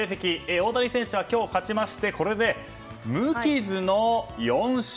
大谷選手が今日勝ちましてこれで無傷の４勝。